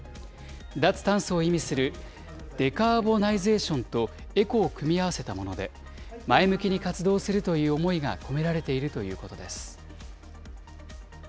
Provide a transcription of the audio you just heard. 脱炭素を意味するデカーボナイゼーションと、エコを組み合わせたもので、前向きに活動するという思いが込められているということです。